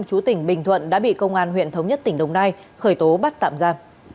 chú tỉnh bình thuận đã bị công an huyện thống nhất tỉnh đồng nai khởi tố bắt tạm ra